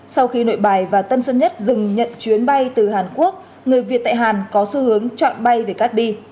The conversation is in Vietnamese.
sau khi nội bài và tân sơn nhất dừng nhận chuyến bay từ hàn quốc người việt tại hàn có xu hướng chọn bay về cát bi